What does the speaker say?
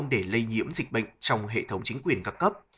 để lây nhiễm dịch bệnh trong hệ thống chính quyền các cấp